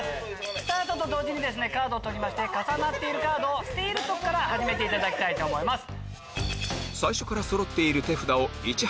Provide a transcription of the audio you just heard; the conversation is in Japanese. スタートと同時にカードを取り重なったカードを捨てるとこから始めていただきたいと思います。